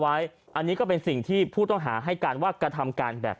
ไว้อันนี้ก็เป็นสิ่งที่ผู้ต้องหาให้การว่ากระทำการแบบ